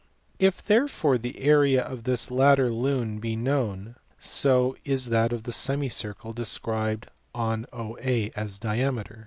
If therefore the area of this latter lune be known, so is that of the semicircle described on OA as diameter.